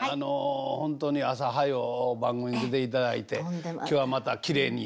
本当に朝早う番組出ていただいて今日はまたきれいに。